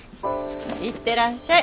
行ってらっしゃい。